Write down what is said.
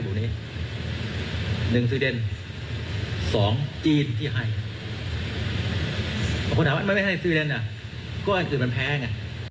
๑ซื้อเรือน๒จีนที่ให้ถ้าคนถามว่าไม่ให้ซื้อเรือนก็คือมันแพง